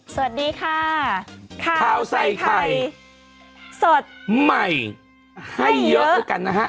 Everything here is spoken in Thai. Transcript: สวัสดีค่ะข้าวใส่ไข่สดใหม่ให้เยอะแล้วกันนะฮะ